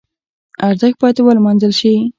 ارزښت باید ولمانځل شي.